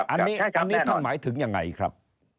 อันนี้คำหมายถึงอย่างไรครับ